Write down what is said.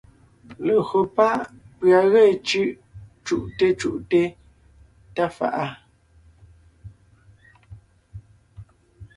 Legÿo pá’ pʉ̀a ge cʉ́’ cú’te cú’te tá fa’a,